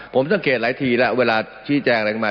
ผมสังเกตหลายทีแล้วเวลาชี้แจงอะไรขึ้นมา